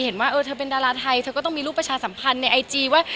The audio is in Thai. เห็นว่าเออเธอเป็นดาราไทยเธอก็ต้องมีรูปประชาสัมพันธ์ในไอจีว่า